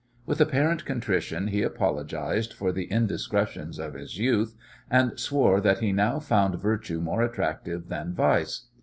With apparent contrition he apologized for the indiscretions of his youth, and swore that he now found virtue more attractive than vice.